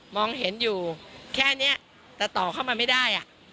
มองเห็นอยู่แค่นี้แต่ต่อเข้ามาไม่ได้